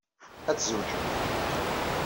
Ad tzewjemt.